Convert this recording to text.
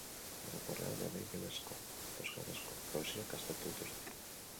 Orokorrean ere ingelesezko eta euskarazko poesiak aztertu dituzte.